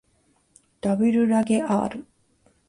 ｗ らげ ｒ